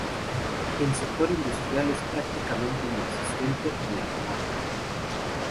El sector industrial es prácticamente inexistente en la comarca.